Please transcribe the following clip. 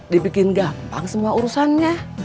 dibikin gampang semua urusannya